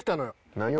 何を？